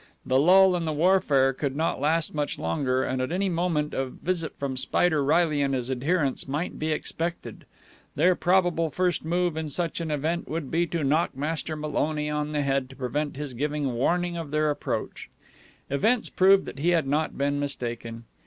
The lull in the warfare could not last much longer, and at any moment a visit from Spider Reilly and his adherents might be expected. Their probable first move in such an event would be to knock Master Maloney on the head to prevent his giving warning of their approach. Events proved that he had not been mistaken.